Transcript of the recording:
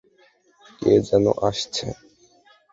কে যেন আসছে।